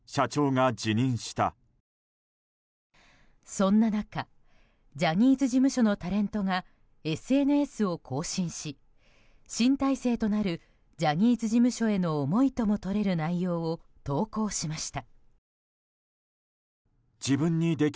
そんな中ジャニーズ事務所のタレントがＳＮＳを更新し新体制となるジャニーズ事務所への思いとも取れる内容を投稿しました。